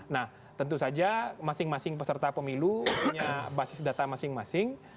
nah tentu saja masing masing peserta pemilu punya basis data masing masing